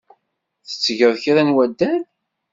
Tettgeḍ kra n waddal?